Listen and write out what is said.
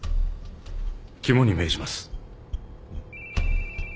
肝に銘じます。